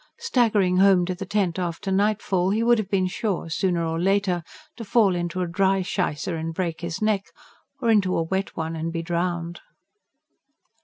Staggering home to the tent after nightfall he would have been sure, sooner or later, to fall into a dry shicer and break his neck, or into a wet one and be drowned.